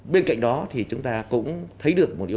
bên cạnh đó thì chúng ta cũng thấy được một yêu cầu